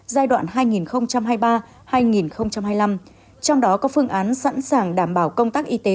giai đoạn hai nghìn hai mươi ba hai nghìn hai mươi năm trong đó có phương án sẵn sàng đảm bảo công tác y tế